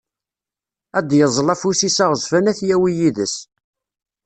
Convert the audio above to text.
Ad d-yeẓẓel afus-is aɣezzfan ad t-yawi yid-s.